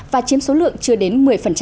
và chiếm số lượng chưa đến một mươi